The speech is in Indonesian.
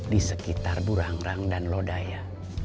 disekitar burang rang dan lodaya